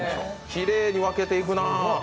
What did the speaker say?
きれいに分けていくな。